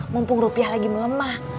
mumpung rupiah lagi melemah